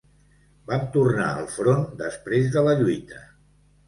Vam tornar al front després de la lluita